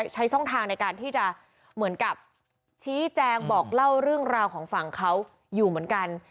ใช้ช่องทางในการที่จะเหมือนกับชี้แจงบอกเล่าเรื่องราวของฝั่งเขาอยู่เหมือนกัน